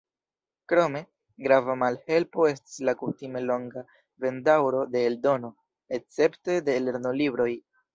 Krome, grava malhelpo estis la kutime longa vend-daŭro de eldono, escepte de lernolibroj.